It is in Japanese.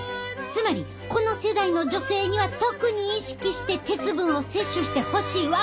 つまりこの世代の女性には特に意識して鉄分を摂取してほしいわけ！